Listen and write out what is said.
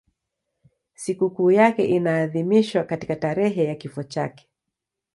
Sikukuu yake inaadhimishwa katika tarehe ya kifo chake.